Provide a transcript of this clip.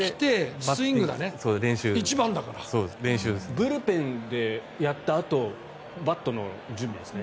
ブルペンでやったあとバットの準備ですね。